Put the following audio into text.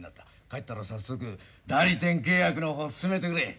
帰ったら早速代理店契約の方進めてくれ。